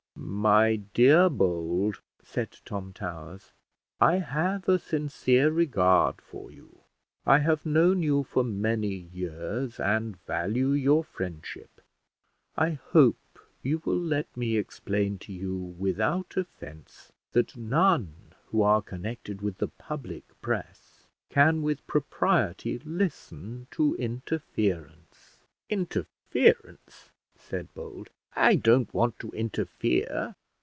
"My dear Bold," said Tom Towers, "I have a sincere regard for you. I have known you for many years, and value your friendship; I hope you will let me explain to you, without offence, that none who are connected with the public press can with propriety listen to interference." "Interference!" said Bold, "I don't want to interfere."